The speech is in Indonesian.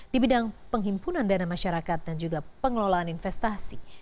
di bidang penghimpunan dana masyarakat dan juga pengelolaan investasi